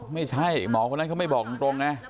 ไม่ใช่หมอคนนั้นเขาไม่บอกตรงไง